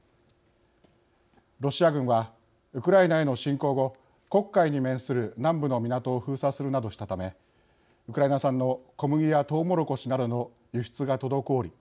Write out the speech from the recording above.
ロシア軍はウクライナへの侵攻後黒海に面する南部の港を封鎖するなどしたためウクライナ産の小麦やトウモロコシなどの輸出が滞り